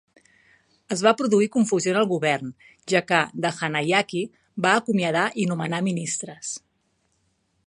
Es va produir confusió en el govern, ja que Dahanayake va acomiadar i nomenar ministres.